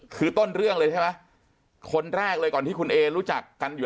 คือต้นเรื่องเลยใช่ไหมคนแรกเลยก่อนที่คุณเอรู้จักกันอยู่